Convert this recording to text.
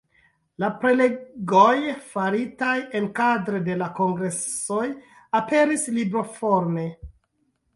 La prelegoj, faritaj enkadre de la kongresoj, aperis libroforme.